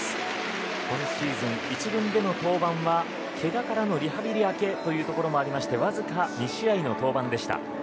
今シーズン、１軍での登板はけがからのリハビリ明けということもありましてわずか２試合の登板でした。